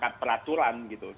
perangkat peraturan gitu